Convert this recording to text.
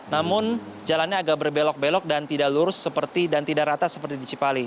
namun jalannya agak berbelok belok dan tidak lurus dan tidak rata seperti di cipali